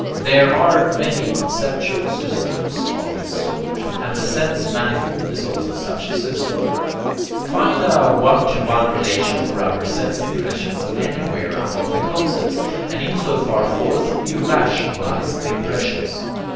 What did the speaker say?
There are many conceptual systems of this sort; and the sense manifold is also such a system. Find a one to one relation for your sense impressions ANYWHERE among the concepts, and in so far forth you rationalize the impressions.